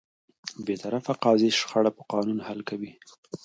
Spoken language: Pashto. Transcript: بېطرفه قاضي شخړه په قانون حل کوي.